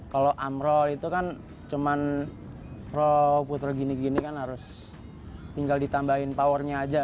kalau amrol itu kan cuma roll puter gini gini kan harus tinggal ditambahin powernya aja